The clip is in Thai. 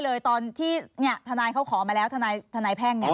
เลยตอนที่เนี้ยธนายเขาขอมาแล้วธนายธนายแพ่งอ๋อ